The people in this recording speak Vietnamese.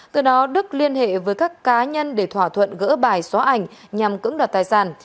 từ đó đức liên hệ với các cá nhân để thỏa thuận gỡ bài xóa ảnh nhằm cưỡng đoạt tài sản